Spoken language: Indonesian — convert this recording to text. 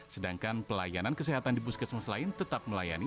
sedangkan pelayanan kesehatan di puskesmas lain tetap melayani